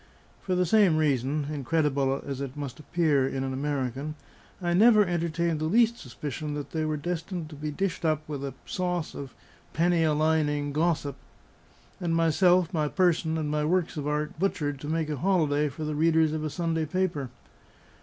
For the same reason (incredible as it must appear in an American) I never entertained the least suspicion that they were destined to be dished up with a sauce of penny a lining gossip; and myself, my person, and my works of art butchered to make a holiday for the readers of a Sunday paper.